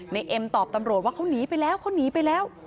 ในเอ็มตอบตำรวจว่าเขาหนีไปแล้ว